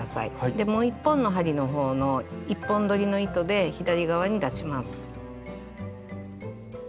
でもう一本の針の方の１本どりの糸で左側に出します。